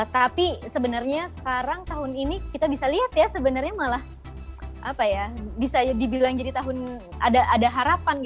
tapi sebenarnya sekarang tahun ini kita bisa lihat ya sebenarnya malah bisa dibilang jadi tahun ada harapan